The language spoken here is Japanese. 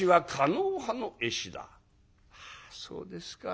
「はあそうですか。